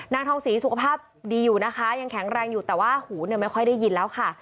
นางทองศรีสุขภาพดีอยู่นะคะยังแข็งแรงอยู่แต่ว่าหูเนี่ยไม่ค่อยได้ยินแล้วค่ะ